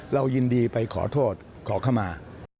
เรายินดีไปขอโทษขอเข้ามา